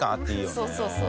そうそうそう。